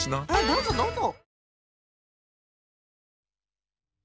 どうぞどうぞ。